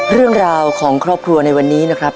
เรื่องราวของครอบครัวในวันนี้นะครับ